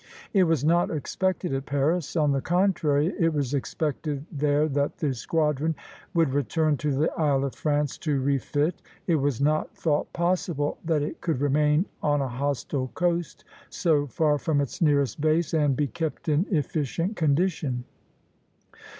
It was not expected at Paris; on the contrary, it was expected there that the squadron would return to the Isle of France to refit. It was not thought possible that it could remain on a hostile coast, so far from its nearest base, and be kept in efficient condition.